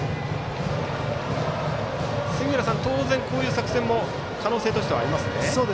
杉浦さん、当然こういう作戦もスクイズは可能性としてはありますね。